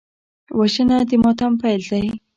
وژنه د ماتم پیل دی